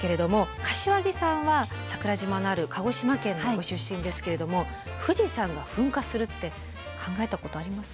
柏木さんは桜島のある鹿児島県のご出身ですけれども富士山が噴火するって考えたことあります？